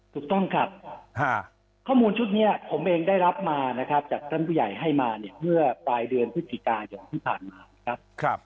ถูกต้องครับข้อมูลชุดนี้ผมเองได้รับมานะครับจากท่านผู้ใหญ่ให้มาเนี่ยเมื่อปลายเดือนพฤศจิกายนที่ผ่านมานะครับ